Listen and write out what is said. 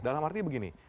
dalam artinya begini